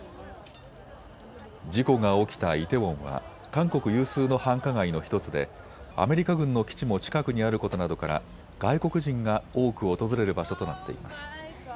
事故が起きたイテウォンは韓国有数の繁華街の１つでアメリカ軍の基地も近くにあることなどから外国人が多く訪れる場所となっています。